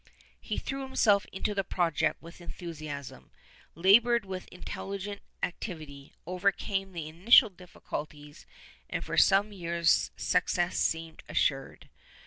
He threw himself into the project with enthusiasm, labored with intelligent activity, overcame the initial difficulties and for some years success seemed assured.